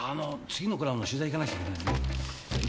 次のコラムの取材行かなくちゃいけないんで。